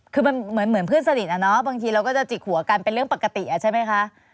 คือมันเหมือนเพื่อนสนิทอะเนาะบางทีเราก็จะจิกหัวกันเป็นเรื่องปกติใช่ไหมคะ